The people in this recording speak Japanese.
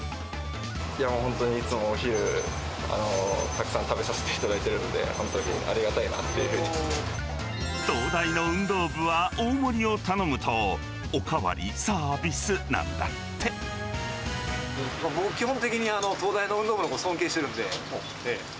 いや、本当に、いつもお昼、たくさん食べさせていただいてるので、本当にありがたいなってい東大の運動部は大盛りを頼む僕、基本的に東大の運動部を尊敬してるんで。